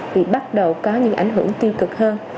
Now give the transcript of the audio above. thì bắt đầu có những ảnh hưởng tiêu cực hơn